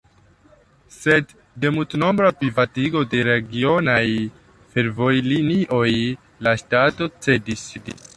Sed de multnombra privatigo de regionaj fervojlinioj la ŝtato cedis.